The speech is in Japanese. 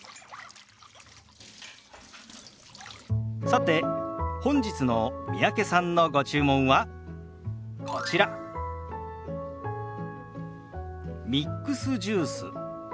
さて本日の三宅さんのご注文はこちらミックスジュース。